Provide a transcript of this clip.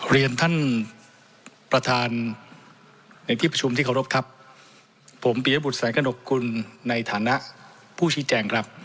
เรียนท่านประธานในที่ประชุมที่เคารพครับผมปียบุตรแสงกระหนกกุลในฐานะผู้ชี้แจงครับ